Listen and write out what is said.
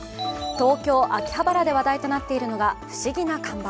東京・秋葉原で話題となっているのが不思議な看板。